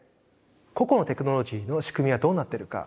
個々のテクノロジーの仕組みがどうなっているか